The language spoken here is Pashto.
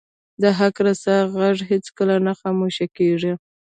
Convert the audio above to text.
د حق رسا ږغ هیڅکله نه خاموش کیږي